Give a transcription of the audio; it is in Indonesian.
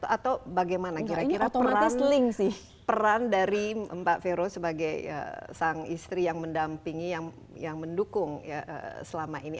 atau bagaimana kira kira peran dari mbak vero sebagai sang istri yang mendampingi yang mendukung selama ini